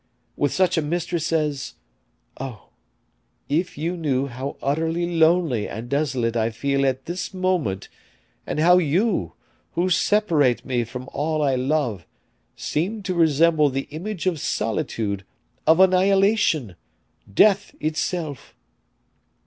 with such a mistress as Oh! if you knew how utterly lonely and desolate I feel at this moment, and how you, who separate me from all I love, seem to resemble the image of solitude, of annihilation death itself."